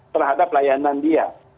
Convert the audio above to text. terhadap layanan dia